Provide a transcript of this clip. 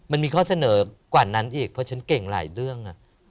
มันมีข้อเสนอกว่านั้นอีกเพราะฉันเก่งหลายเรื่อง